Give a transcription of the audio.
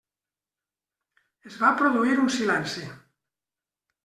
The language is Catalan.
Es va produir un silenci.